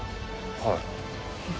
はい。